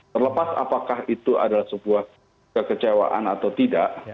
terlepas apakah itu adalah sebuah kekecewaan atau tidak